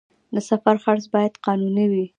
د سفر خرڅ باید قانوني وي